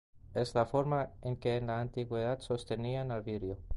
Es la forma en que en la antigüedad, sustituían al vidrio.